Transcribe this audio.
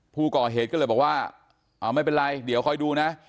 ผู้ก่อเหตุก็เลยบอกว่าไม่เป็นไรเดี๋ยวคอยดูนะ